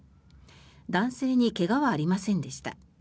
男性に怪我はありませんでした。